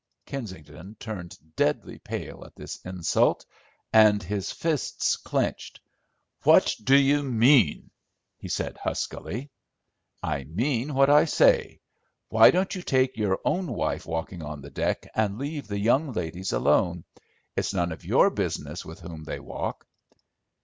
Kensington turned deadly pale at this insult, and his fists clinched— "What do you mean?" he said huskily. "I mean what I say. Why don't you take your own wife walking on the deck, and leave the young ladies alone. It's none of your business with whom they walk."